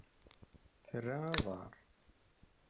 Terra aḍar.